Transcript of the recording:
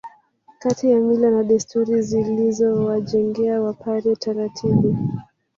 Kati ya mila na desturi zilizowajengea Wapare taratibu